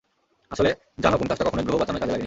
আসলে, জানো কোন কাজটা কখনোই গ্রহ বাঁচানোয় কাজে লাগেনি?